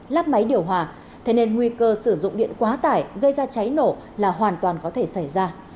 lắp máy điều hòa thế nên nguy cơ sử dụng điện quá tải gây ra cháy nổ là hoàn toàn có thể xảy ra